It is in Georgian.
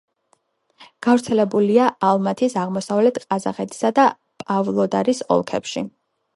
გავრცელებულია ალმათის, აღმოსავლეთ ყაზახეთისა და პავლოდარის ოლქებში.